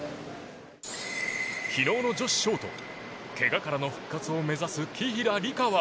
昨日の女子ショート怪我からの復活を目指す紀平梨花は。